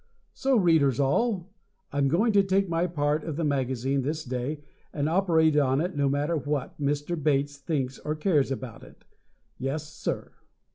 So, Readers all, I'm going to take my part of the magazine this day and operate on it, no matter what Mr. Bates thinks or cares about it. Yes, sir.